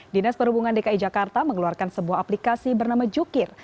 dinas perhubungan dki jakarta mengeluarkan sebuah aplikasi bernama jukir